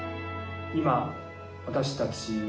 今私たちは。